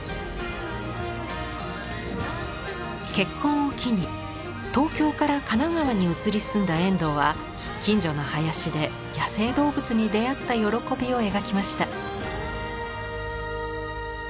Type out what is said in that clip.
結婚を機に東京から神奈川に移り住んだ遠藤は近所の林で野生動物に出会った喜びを描きました。